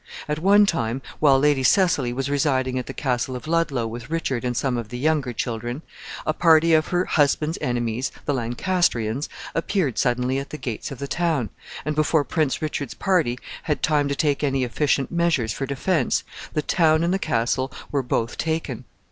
At one time, while Lady Cecily was residing at the Castle of Ludlow with Richard and some of the younger children, a party of her husband's enemies, the Lancastrians, appeared suddenly at the gates of the town, and, before Prince Richard's party had time to take any efficient measures for defense, the town and the castle were both taken.